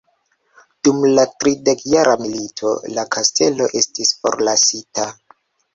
Dum la tridekjara milito la kastelo estis forlasita.